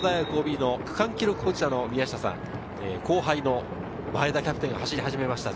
東洋大学ＯＢの区間記録保持者・宮下さん、後輩、前田キャプテンが走り始めました。